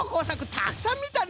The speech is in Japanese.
たくさんみたの！